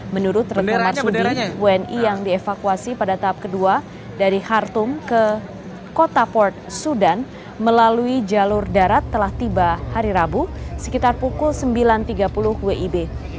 menurut retno marsudi wni yang dievakuasi pada tahap kedua dari hartum ke kota port sudan melalui jalur darat telah tiba hari rabu sekitar pukul sembilan tiga puluh wib